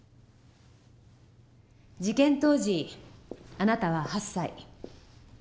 事件当時あなたは８歳。